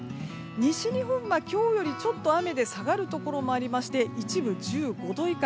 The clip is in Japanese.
西日本は今日よりちょっと雨で下がるところもありまして一部１５度以下。